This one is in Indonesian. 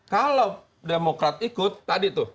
kalau demokrat ikut tadi tuh